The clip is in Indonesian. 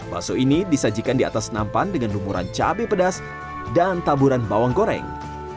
bakso ini disajikan di atas nampan dengan lumuran cabai pedas dan taburan bawang goreng